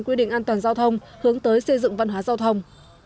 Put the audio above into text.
quy định an toàn giao thông hướng tới xây dựng văn hóa giao thông